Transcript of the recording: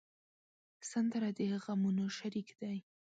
سندره د غمونو شریک دی